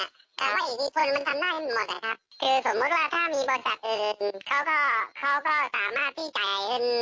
พี่จ่ายเผ็ดเผ็ดให้บอกมึงไม่ต้องมาประโมงานนี้เดี๋ยวมึงเอาไปห้ามืน